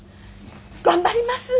頑張ります。